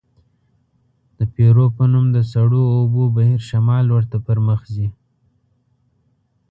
د پیرو په نوم د سړو اوبو بهیر شمال لورته پرمخ ځي.